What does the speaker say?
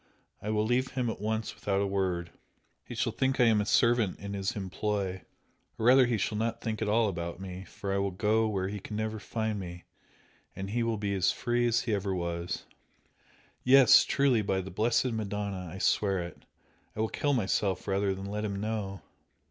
I will leave him at once without a word he shall think I am a servant in his employ or rather he shall not think at all about me for I will go where he can never find me, and he will be as free as ever he was! Yes, truly! by the blessed Madonna I swear it! I will kill myself rather than let him know!"